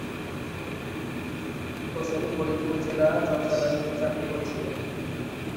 হোসেন ফরিদপুর জেলা জজ আদালতে চাকরি করেছিলেন।